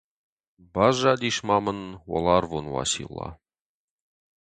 Баззадис ма мын Уӕларвон Уацилла.